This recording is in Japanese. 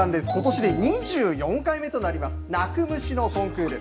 ことしで２４回目となります、鳴く虫のコンクール。